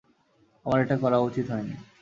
আমার এটা করা উচিত হয়নি।